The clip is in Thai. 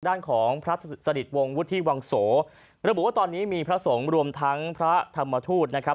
ด้านของพระสนิทวงศ์วุฒิวังโสระบุว่าตอนนี้มีพระสงฆ์รวมทั้งพระธรรมทูตนะครับ